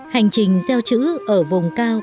hành trình gieo chữ ở vùng cao